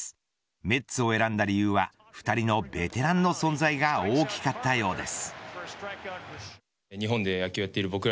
メッツを選んだ理由は２人のベテランの存在が大きかったようです。